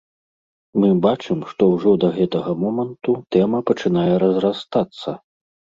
Мы бачым, што ўжо да гэтага моманту тэма пачынае разрастацца.